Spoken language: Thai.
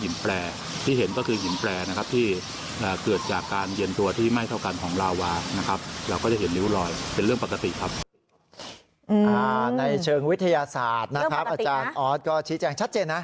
ในเชิงวิทยาศาสตร์นะครับอาจารย์ออสก็ชี้แจงชัดเจนนะ